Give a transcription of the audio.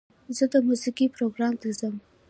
زه د موسیقۍ پروګرام ته ځم.